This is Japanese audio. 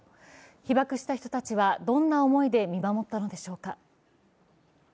被爆した人たちは、どんな思いで見守ったのでしょうか。